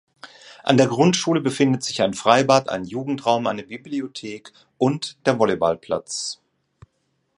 An der Grundschule befindet sich ein Freibad, ein Jugendraum, eine Bibliothek und der Volleyballplatz.